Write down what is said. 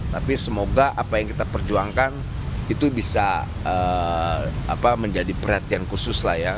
tapi semoga apa yang kita perjuangkan itu bisa menjadi perhatian khusus lah ya